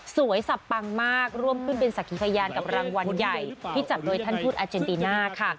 สับปังมากร่วมขึ้นเป็นสักขีพยานกับรางวัลใหญ่ที่จัดโดยท่านทูตอาเจนติน่าค่ะ